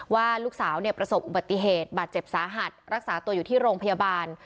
ว่าลูกสาวประสบอุบัติเหตุบาดเจ็บสาหัสรักษาตัวอยู่ที่โรงพยาบาล